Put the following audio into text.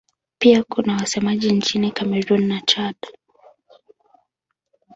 Pia kuna wasemaji nchini Kamerun na Chad.